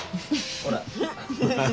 ほら。